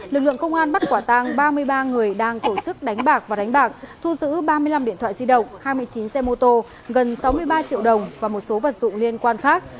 lực lượng công an bắt quả tang ba mươi ba người đang tổ chức đánh bạc và đánh bạc thu giữ ba mươi năm điện thoại di động hai mươi chín xe mô tô gần sáu mươi ba triệu đồng và một số vật dụng liên quan khác